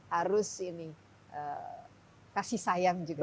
harus ini kasih sayang juga